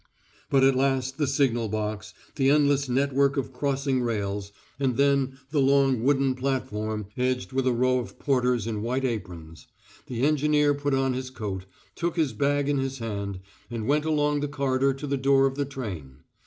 But at last the signal box, the endless network of crossing rails, and then the long wooden platform edged with a row of porters in white aprons.... The engineer put on his coat, took his bag in his hand, and went along the corridor to the door of the train.